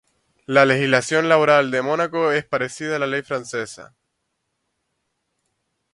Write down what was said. La legislación laboral de Mónaco es parecida a la ley francesa.